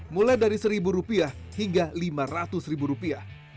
mulai dari seribu rupiah hingga lima ratus ribu rupiah